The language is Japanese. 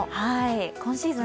今シーズン